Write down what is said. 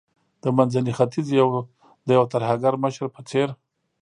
د منځني ختیځ د یو ترهګر مشر په څیر